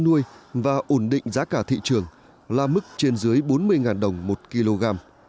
nuôi và ổn định giá cả thị trường là mức trên dưới bốn mươi đồng một kg